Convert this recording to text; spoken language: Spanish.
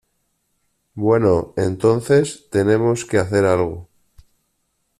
Bueno, entonces , tenemos que hacer algo.